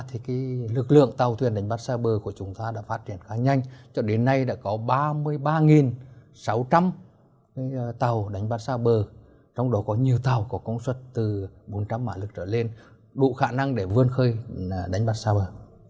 thì lực lượng tàu thuyền đánh bắt xa bờ của chúng ta đã phát triển khá nhanh cho đến nay đã có ba mươi ba sáu trăm linh tàu đánh bắt xa bờ trong đó có nhiều tàu có công suất từ bốn trăm linh mã lực trở lên đủ khả năng để vươn khơi đánh bắt xa bờ